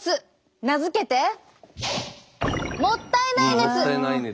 名付けてもったいない熱。